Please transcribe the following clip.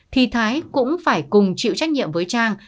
thì thái cũng phải cùng chịu trách nhiệm với trang